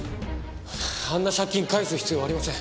あんな借金返す必要ありません。